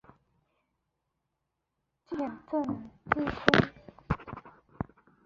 见正字通。